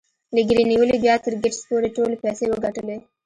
له ګيري نيولې بيا تر ګيټس پورې ټولو پيسې وګټلې.